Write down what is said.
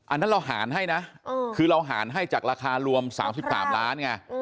อันนั้นเราหารให้นะคือเราหารให้จากราคารวม๓๓ล้านไง